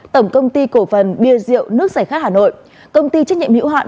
tổng công ty cổ phần bia rượu nước giải khát hà nội công ty trách nhiệm hữu hạn